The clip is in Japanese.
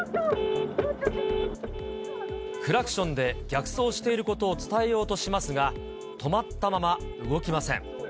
クラクションで逆走していることを伝えようとしますが、止まったまま動きません。